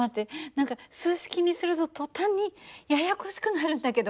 何か数式にすると途端にややこしくなるんだけど。